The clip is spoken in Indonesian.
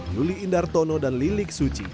luli indartono dan lilik suci